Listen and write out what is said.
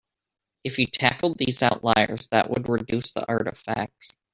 If you tackled these outliers that would reduce the artifacts.